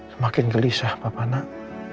semakin gelisah papa nak